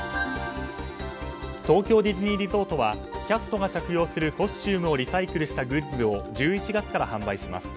東京ディズニーリゾートはキャストが着用するコスチュームをリサイクルしたグッズを１１月から販売します。